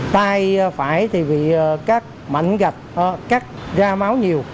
tai phải thì bị các mảnh gạch cắt ra máu nhiều